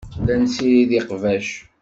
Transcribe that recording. La nessirid iqbac.